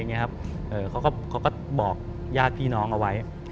เขาก็บอกญาติพี่น้องเอาไว้